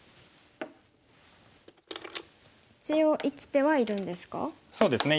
一応生きてはいるんですか？